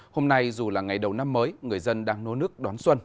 hôm nay dù là ngày đầu năm mới người dân đang nô nước đón xuân